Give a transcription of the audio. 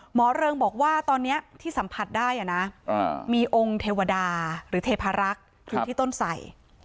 เริงบอกว่าตอนนี้ที่สัมผัสได้นะมีองค์เทวดาหรือเทพารักษ์อยู่ที่ต้นไส